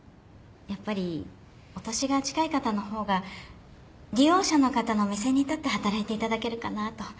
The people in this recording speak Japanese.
やっぱりお年が近い方の方が利用者の方の目線に立って働いていただけるかなと。